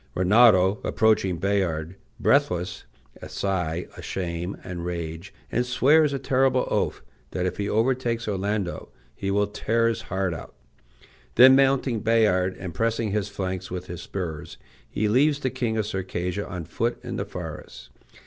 Rinaldo, approaching Bayard, breathes a sigh of shame and rage, and swears a terrible oath that, if he overtakes Orlando, he will tear his heart out. Then mounting Bayard and pressing his flanks with his spurs, he leaves the king of Circassia on foot in the forest.